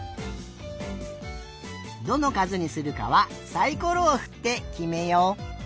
どのかずにするかはサイコロをふってきめよう。